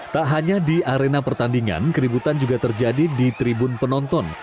tak hanya di arena pertandingan keributan juga terjadi di tribun penonton